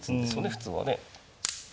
普通はね。